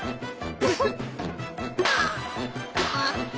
あっ！